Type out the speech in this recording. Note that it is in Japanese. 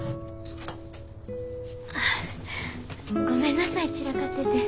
ごめんなさい散らかってて。